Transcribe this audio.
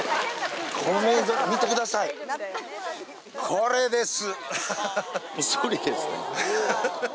これです。